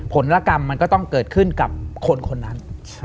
ผลละกรรมมันก็ต้องเกิดขึ้นกับคนนั้น